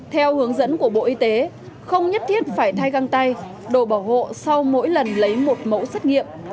theo hướng dẫn của bộ y tế không nhất thiết phải thay găng tay đồ bảo hộ sau mỗi lần lấy một mẫu xét nghiệm